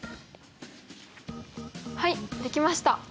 はいできました！